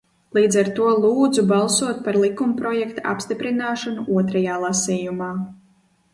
Līdz ar to lūdzu balsot par likumprojekta apstiprināšanu otrajā lasījumā.